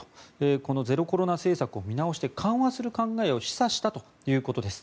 このゼロコロナ政策を見直して緩和する考えを示唆したということです。